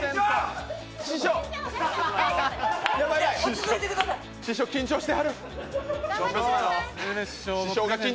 師匠、緊張してはる。